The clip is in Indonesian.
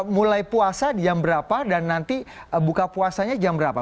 mulai puasa jam berapa dan nanti buka puasanya jam berapa